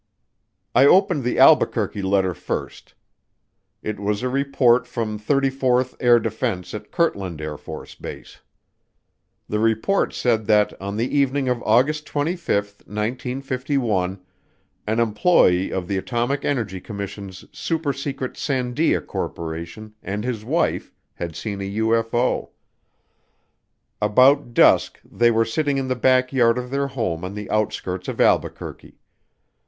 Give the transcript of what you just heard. I opened the Albuquerque letter first. It was a report from 34th Air Defense at Kirtland AFB. The report said that on the evening of August 25, 1951, an employee of the Atomic Energy Commission's supersecret Sandia Corporation and his wife had seen a UFO. About dusk they were sitting in the back yard of their home on the outskirts of Albuquerque.